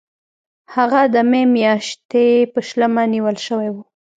هغه د می میاشتې په شلمه نیول شوی و.